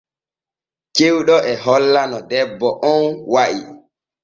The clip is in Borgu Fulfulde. Cewɗo e holla no debbo on wa’i.